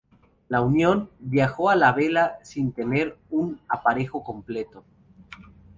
La "Unión" viajó a la vela sin tener el aparejo completo.